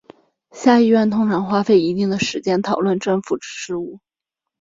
下议院通常花费一定时间讨论政府事务。